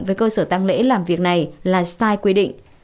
với cơ sở tăng lễ làm việc này là sai quy định